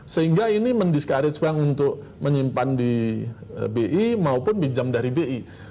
sehingga ini mendiscourage bank untuk menyimpan di bi maupun pinjam dari bi